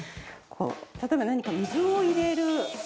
例えば何か水を入れる。